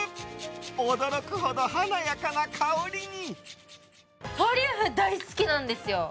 驚くほど華やかな香りに。